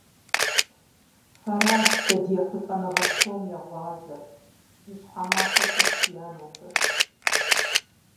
Фэращ дэ ди ехъулӀэныгъэ псом я гъуазэр: жьыщхьэ махуэ фыхъу, ди анэхэ!